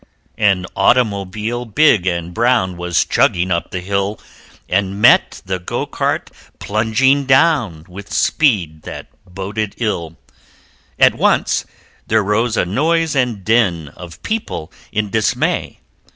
An automobile big and brown Was chugging up the hill, And met the Go cart plunging down With speed that boded ill At once there rose a noise and din Of people in dismay.